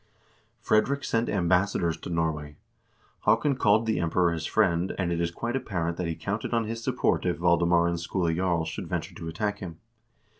Frederick sent ambassadors to Norway; Haakon called the Emperor his friend, and it is quite apparent that he counted on his support if Valdemar and Skule Jarl should venture to attack him.